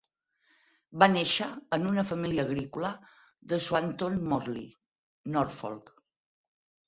Va néixer en una família agrícola de Swanton Morley, Norfolk.